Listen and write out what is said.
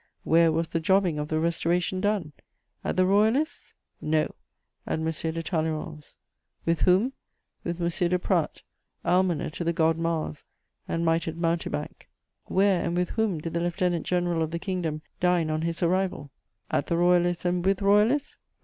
Where was the jobbing of the Restoration done? At the Royalists'? No: at M. de Talleyrand's. With whom? With M. de Pradt, almoner to "the God Mars" and mitred mountebank. Where and with whom did the Lieutenant General of the Kingdom dine on his arrival? At the Royalists' and with Royalists?